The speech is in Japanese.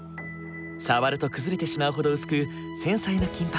触ると崩れてしまうほど薄く繊細な金ぱく。